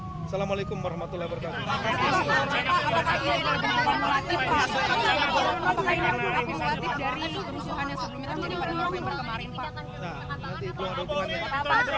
assalamu'alaikum warahmatullahi wabarakatuh